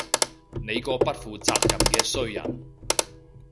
你個不負責任嘅衰人